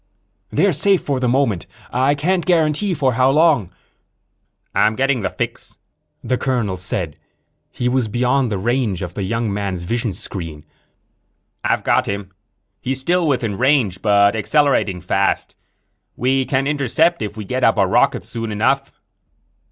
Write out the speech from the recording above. "They're safe, for the moment. I can't guarantee for how long." "I'm getting the fix," the colonel said. He was beyond the range of the young man's vision screen. "I've got him. He's still within range, but accelerating fast. We can intercept if we get up a rocket soon enough."